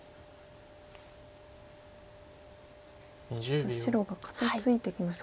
さあ白が肩ツイてきました。